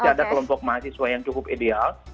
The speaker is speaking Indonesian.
masih ada kelompok mahasiswa yang cukup ideal